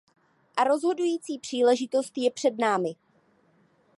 A rozhodující příležitost je před námi.